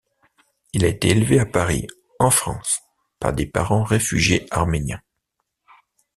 Il a été élevé à Paris, en France, par des parents réfugiés arméniens.